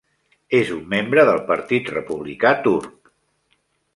És un membre del partit republicà turc.